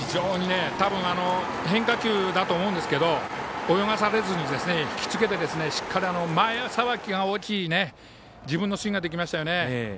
変化球だと思うんですけど泳がされずに、引き付けてしっかり前さばきが大きい自分のスイングができましたね。